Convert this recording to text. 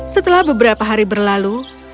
setelah beberapa hari berlalu